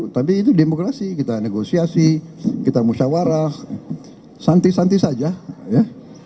tapi itu demokrasi kita negosiasi kita musyawarah santi santi saja ya